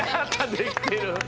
できてる。